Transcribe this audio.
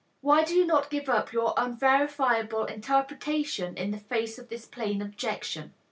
Why do you not give up your unverifiable interpretation in the face of this plain objection?"